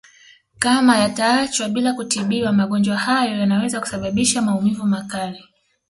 Kama yataachwa bila kutibiwa magonjwa hayo yanaweza kusababisha maumivu makali